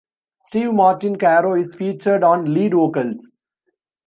Steve Martin Caro is featured on lead vocals.